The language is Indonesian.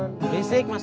ya pak terima kasih